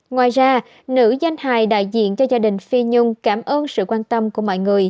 ngoài ra nữ danh hài đại diện cho gia đình phi nhung cảm ơn sự quan tâm của mọi người